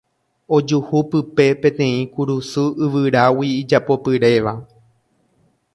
ojuhu pype peteĩ kurusu yvyrágui ijapopyréva